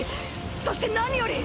そして何より！！